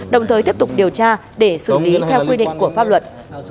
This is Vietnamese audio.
đồng thời tiếp tục điều tra để xử lý theo quy định của pháp luật